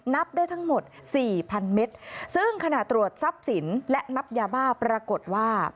นับได้ทั้งหมดสี่พันเมตรซึ่งขณะตรวจทรัพย์สินและนับยาบ้าปรากฏว่า